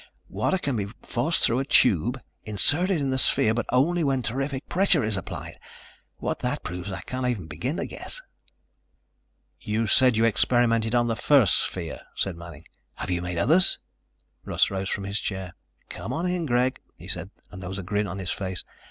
Water can be forced through a tube inserted in the sphere, but only when terrific pressure is applied. What that proves I can't even begin to guess." "You said you experimented on the first sphere," said Manning. "Have you made others?" Russ rose from his chair. "Come on in, Greg," he said, and there was a grin on his face.